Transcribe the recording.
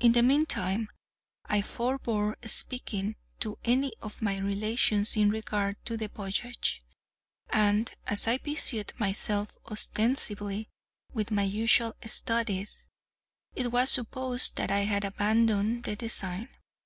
In the meantime I forbore speaking to any of my relations in regard to the voyage, and, as I busied myself ostensibly with my usual studies, it was supposed that I had abandoned the design.